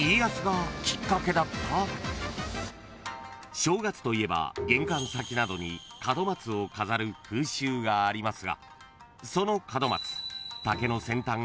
［正月といえば玄関先などに門松を飾る風習がありますがその門松］